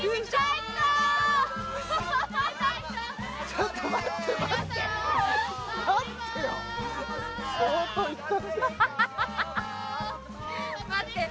ちょっと待って待って待ってよ